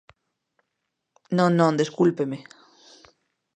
¡Non, non, descúlpeme!